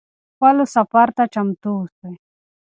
خپل سفر ته چمتو اوسئ.